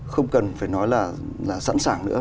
không cần phải nói là sẵn sàng nữa